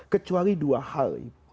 kecuali dua hal